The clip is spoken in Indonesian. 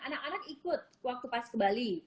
anak anak ikut waktu pas ke bali